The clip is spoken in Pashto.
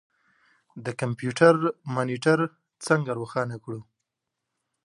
د کمپیوټر مانیټر څنګه روښانه کړو.